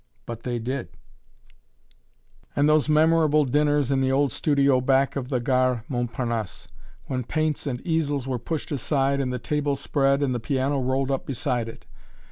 But they DID! [Illustration: A STUDIO DÉJEUNER] And those memorable dinners in the old studio back of the Gare Montparnasse! when paints and easels were pushed aside, and the table spread, and the piano rolled up beside it.